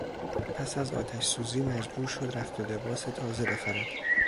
پس از آتشسوزی مجبور شد رخت و لباس تازه بخرد.